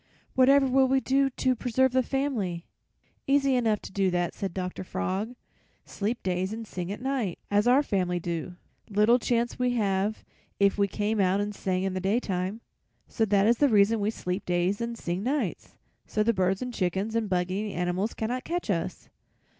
'Whatever will we do to preserve the family?' "'Easy enough to do that,' said Dr. Frog. 'Sleep days and sing at night as our family do; little chance we would have if we came out and sang in the daytime.' "So that is the reason we sleep days and sing nights, so the birds and chickens and bug eating animals cannot catch us.